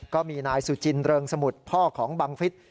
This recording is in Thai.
ก็มีนายสุจินเริงสมุทรพ่อของบังฟิศ